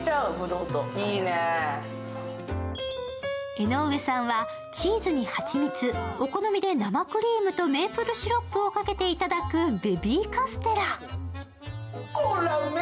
江上さんはチーズに蜂蜜、お好みで生クリームとメープルシロップをかけていただくベビーカステラ。